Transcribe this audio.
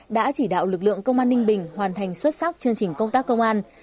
đã chỉ đạo lực lượng công an ninh bình hoàn thành xuất sắc chương trình công tác công an